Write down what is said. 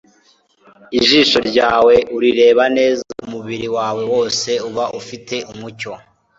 "Ijisho ryawe urireba neza, umubiri wawe wose uba ufite umucyo;